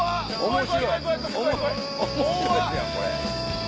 面白いですやんこれ。